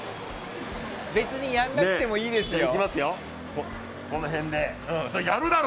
別にやらなくてもいいですよ。